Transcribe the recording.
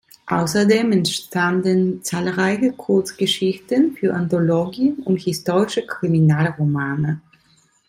Außerdem entstanden zahlreiche Kurzgeschichten für Anthologien und historische Kriminalromane.